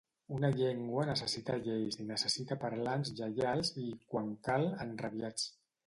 Una llengua necessita lleis i necessita parlants lleials i, quan cal, enrabiats.